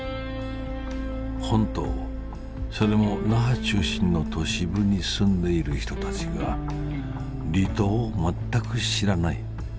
本島それも那覇中心の都市部に住んでいる人たちが離島を全く知らない。